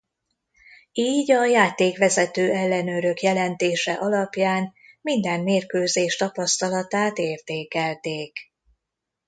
Így a játékvezető ellenőrök jelentése alapján minden mérkőzés tapasztalatát értékelték.